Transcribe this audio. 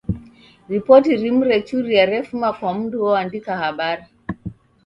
Ripoti rimu rechuria refuma kwa mndu oandika habari.